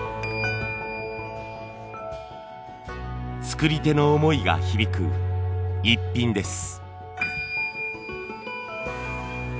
作り手の思いが響くイッピンです。